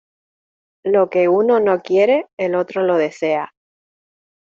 Lo que uno no quiere el otro lo desea.